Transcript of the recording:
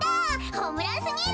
ホームランすぎる。